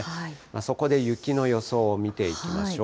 そこで雪の予想を見ていきましょう。